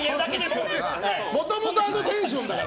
もともとあのテンションだから。